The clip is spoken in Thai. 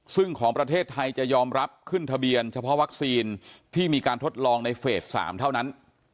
ซึ่งของประเทศไทยจะยอมรับขึ้นทะเบียนเฉพาะวัคซีนที่มีการทดลองในเฟส๓เท่านั้น